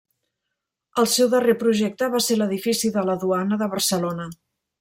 El seu darrer projecte va ser l'edifici de la Duana de Barcelona.